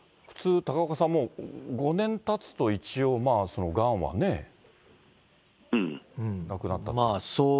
普通、高岡さん、もう５年たつと一応、がんはね、なくなったって。